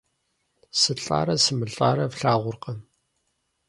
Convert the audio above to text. СылӀарэ сымылӀарэ флъагъуркъэ?